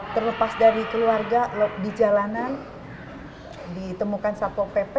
terlepas dari keluarga di jalanan ditemukan satpol pp